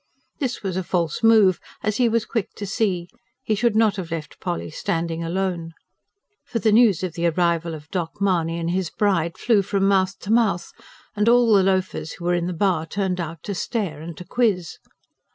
This was a false move, as he was quick to see: he should not have left Polly standing alone. For the news of the arrival of "Doc." Mahony and his bride flew from mouth to mouth, and all the loafers who were in the bar turned out to stare and to quiz.